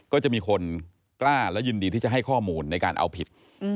ก็จะมีคนกล้าและยินดีที่จะให้ข้อมูลในการเอาผิด